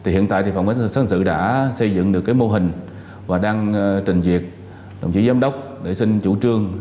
hiện tại phòng xác dự đã xây dựng được mô hình và đang trình diệt đồng chí giám đốc để xin chủ trương